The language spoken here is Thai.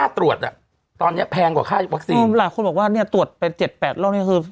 ตรวจอ่ะตอนเนี้ยแพงกว่าค่าวัคซีนหลายคนบอกว่าเนี่ยตรวจไปเจ็ดแปดโรคนี่คือ